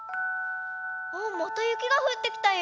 あっまたゆきがふってきたよ。